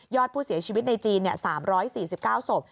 อดผู้เสียชีวิตในจีน๓๔๙ศพ